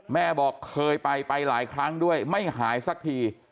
แม่บอกเคยไปไปหลายครั้งด้วยไม่หายสักที